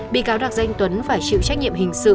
bị cáo đặng danh tuấn phải chịu trách nhiệm hình sự